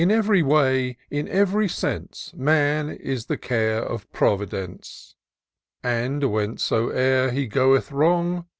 evry way, in ev , sense, Man is the care of Pi vidence ; And whensoe'er he goe wrong.